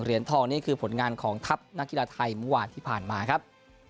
เหรียญทองนี่คือผลงานของทัพนักกีฬาไทยเมื่อวานที่ผ่านมาครับ